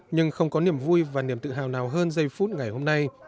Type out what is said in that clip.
nhưng không có niềm vui và niềm tự hào nào hơn giây phút ngày hôm nay